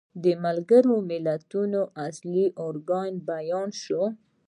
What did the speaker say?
د ملګرو ملتونو اصلي ارکان بیان شي.